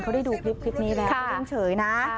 เขาได้ดูคลิปนี้แล้วต้องเฉยนะ